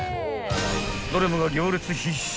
［どれもが行列必至］